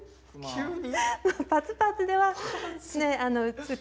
急に？